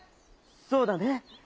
「そうだね。